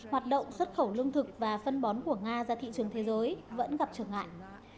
hoạt động xuất khẩu lương thực và phân bón của nga ra thị trường thế giới vẫn gặp trở ngại